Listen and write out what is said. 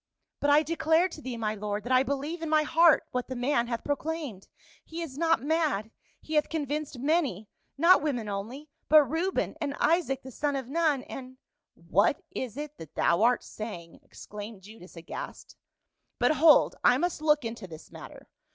" But I declare to thee, my lord, that I believe in my heart what the man hath proclaimed. He is not mad ; he hath convinced many — not women only, but Reuben, and Isaac the son of Nun, and —"" What is it that thou are saying ?" exclaimed Judas aghast. "But hold, I must look into this matter.